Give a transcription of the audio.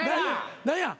何や？